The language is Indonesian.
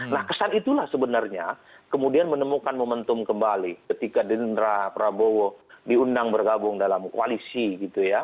nah kesan itulah sebenarnya kemudian menemukan momentum kembali ketika gerindra prabowo diundang bergabung dalam koalisi gitu ya